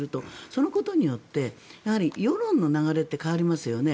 そのことによって、やはり世論の流れって変わりますよね。